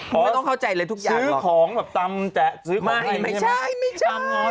หรือจริงหรือเผี้ยเผี้ย